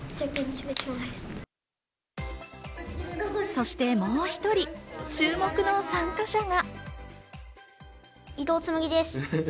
そしてもう１人、注目の参加者が。